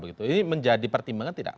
ini menjadi pertimbangan tidak